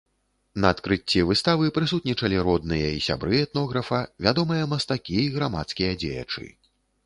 На адкрыцці выставы прысутнічалі родныя і сябры этнографа, вядомыя мастакі і грамадскія дзеячы.